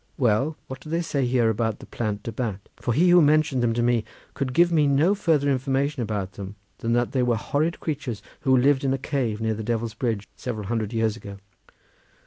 Well, what do they say here about the Plant de Bat? for he who mentioned them to me could give me no further information about them than that they were horrid creatures who lived in a cave near the Devil's Bridge several hundred years ago."